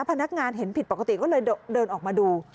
พนักงานเห็นผิดปกติก็เลยเดินออกมาดู